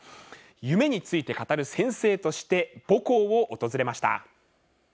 夢について語る先生として母校を訪れました。